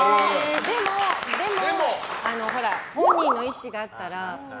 でも、本人の意思があったら。